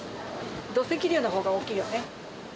土石流のほうが大きいよね。